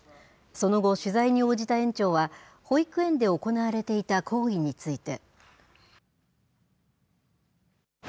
その後、取材に応じた園長は、保育園で行われていた行為について。